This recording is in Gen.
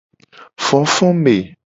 Fofome.